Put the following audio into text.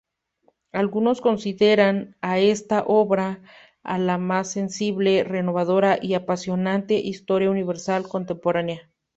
Algunos consideran a esta obra la más accesible, renovadora y apasionante historia universal contemporánea.